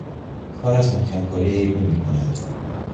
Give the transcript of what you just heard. کار از محکم کاری عیب نمی کند